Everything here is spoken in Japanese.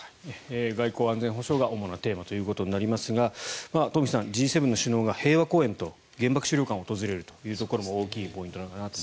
外交・安全保障が主なテーマということになりますが東輝さん、Ｇ７の首脳が平和公園と原爆資料館を訪れるというところも大きいポイントなのかなと。